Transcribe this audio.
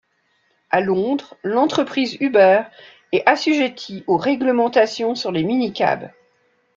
À Londres, l'entreprise Uber est assujettie aux réglementations sur les minicabs.